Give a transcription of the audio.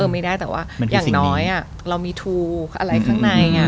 ไม่ได้แต่ว่าอย่างน้อยเรามีทูอะไรข้างใน